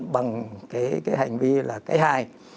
bằng cái hành vi là cái hài